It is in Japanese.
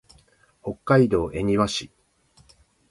北海道恵庭市